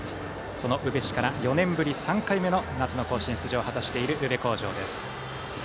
その宇部市から４年ぶり３回目の夏の甲子園出場を果たしている宇部鴻城です。